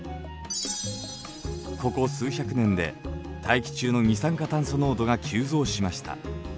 ここ数百年で大気中の二酸化炭素濃度が急増しました。